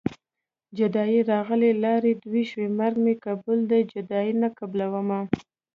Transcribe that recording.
جدايي راغله لارې دوه شوې مرګ مې قبول دی جدايي نه قبلومه